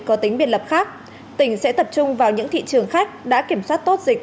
có tính biệt lập khác tỉnh sẽ tập trung vào những thị trường khách đã kiểm soát tốt dịch